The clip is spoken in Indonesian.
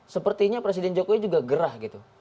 sepertinya presiden jokowi juga gerah gitu